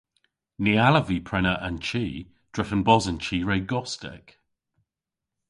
Ny allav vy prena an chi drefen bos an chi re gostek.